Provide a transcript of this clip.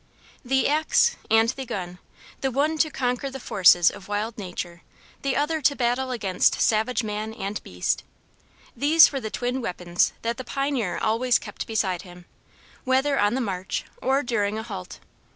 The axe and the gun, the one to conquer the forces of wild nature, the other to battle against savage man and beast these were the twin weapons that the pioneer always kept beside him, whether on the march or during a halt.